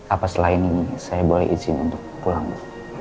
apa selain ini saya boleh izin untuk pulang